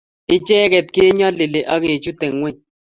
Icheget kenyolili akechute ngweny